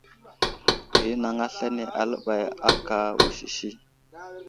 Ghinaŋ aslane aləbay aka wusisi.